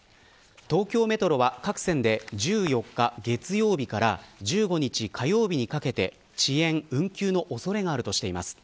東京メトロは各線で１４日月曜日から１５日火曜日にかけて遅延、運休の恐れがあるとしています。